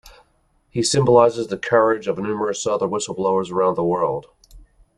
He symbolizes the courage of numerous other whistleblowers around the world.